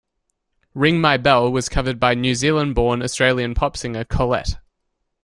"Ring My Bell" was covered by New Zealand-born, Australian pop singer Collette.